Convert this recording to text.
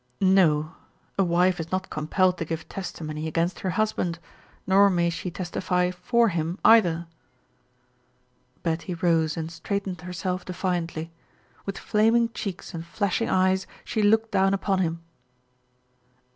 "No. A wife is not compelled to give testimony against her husband, nor may she testify for him, either." Betty rose and straightened herself defiantly; with flaming cheeks and flashing eyes she looked down upon him.